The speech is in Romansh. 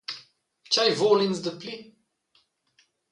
Tgei vul ins dapli?